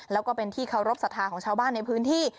แล้วก็เป็นที่เคารพสัทธาของชาวบ้านในพื้นที่